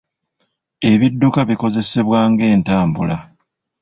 Ebidduka bikozesebwa ng'entambula.